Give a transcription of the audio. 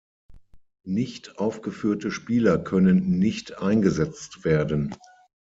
Nicht aufgeführte Spieler können nicht eingesetzt werden.